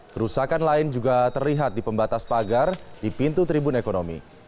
kerusakan lain juga terlihat di pembatas pagar di pintu tribun ekonomi